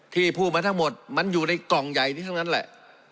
ที่พูดมาทั้งหมดมันอยู่ในกล่องใหญ่นี้ทั้งนั้นแหละ